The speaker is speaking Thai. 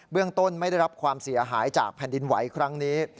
เรื่องต้นไม่ได้รับความเสียหายจากแผ่นดินไหวครั้งนี้